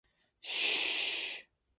他们住在皇家坦布里奇韦尔斯。